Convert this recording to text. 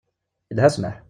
Yelha ssmaḥ.